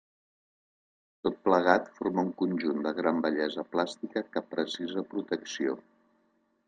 Tot plegat forma un conjunt de gran bellesa plàstica que precisa protecció.